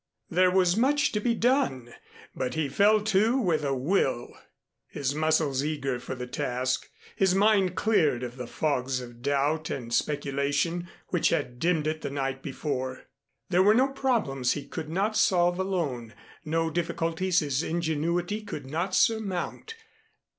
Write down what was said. There was much to be done, but he fell to with a will, his muscles eager for the task, his mind cleared of the fogs of doubt and speculation which had dimmed it the night before. There were no problems he could not solve alone, no difficulties his ingenuity could not surmount.